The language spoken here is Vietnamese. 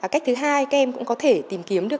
cách thứ hai các em cũng có thể tìm kiếm được